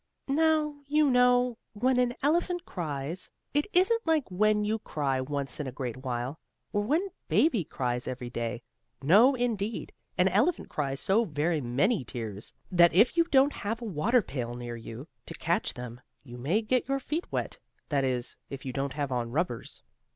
Now, you know, when an elephant cries it isn't like when you cry once in a great while, or when baby cries every day. No, indeed! An elephant cries so very many tears that if you don't have a water pail near you, to catch them, you may get your feet wet; that is, if you don't have on rubbers.